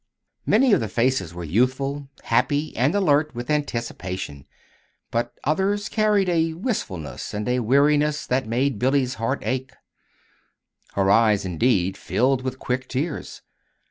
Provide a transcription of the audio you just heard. Many of the faces were youthful, happy, and alert with anticipation; but others carried a wistfulness and a weariness that made Billy's heart ache. Her eyes, indeed, filled with quick tears.